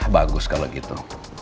bagus kalau gitu